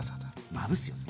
まぶすようにね。